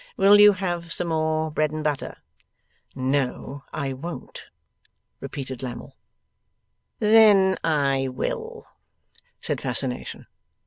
Will you have some more bread and butter?' 'No, I won't,' repeated Lammle. 'Then I will,' said Fascination.